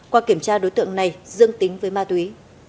qua kiểm tra đối tượng này dương tính với ma túy